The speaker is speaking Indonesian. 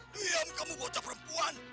diam kamu bocah perempuan